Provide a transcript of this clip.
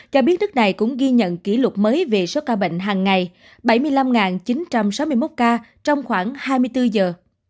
ca biến thức này cũng ghi nhận kỷ lục mới về số ca bệnh hàng ngày bảy mươi năm chín trăm sáu mươi một ca trong khoảng hai mươi bốn giờ